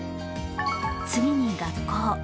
次に「学校」。